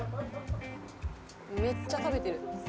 「めっちゃ食べてる」